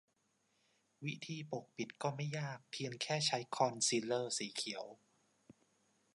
วิธีปกปิดก็ไม่ยากเพียงแค่ใช้คอนซีลเลอร์สีเขียว